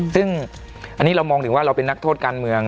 ซึ่งอันนี้เรามองถึงว่าเราเป็นนักโทษการเมือง